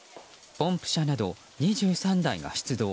ポンプ車など２３台が出動。